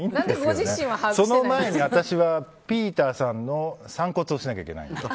その前に私はピーターさんの散骨をしなきゃいけないんです。